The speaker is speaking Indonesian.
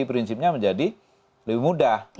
prinsipnya menjadi lebih mudah